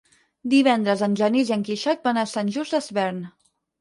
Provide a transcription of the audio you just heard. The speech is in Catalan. Divendres en Genís i en Quixot van a Sant Just Desvern.